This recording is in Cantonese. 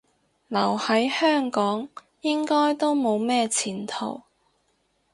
留喺香港應該都冇咩前途